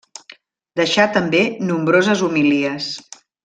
Deixà també nombroses homilies.